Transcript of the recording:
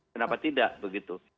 kenapa tidak begitu